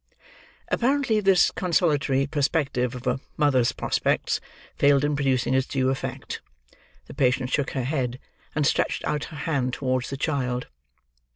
Apparently this consolatory perspective of a mother's prospects failed in producing its due effect. The patient shook her head, and stretched out her hand towards the child.